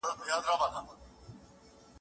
ولي ځيني هیوادونه نوی حکومت نه مني؟